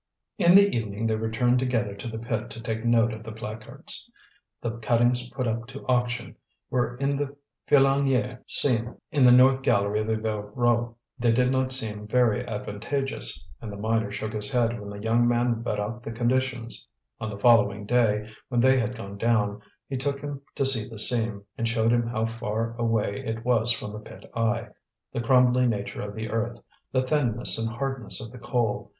In the evening they returned together to the pit to take note of the placards. The cuttings put up to auction were in the Filonniére seam in the north gallery of the Voreux. They did not seem very advantageous, and the miner shook his head when the young man read out the conditions. On the following day when they had gone down, he took him to see the seam, and showed him how far away it was from the pit eye, the crumbly nature of the earth, the thinness and hardness of the coal.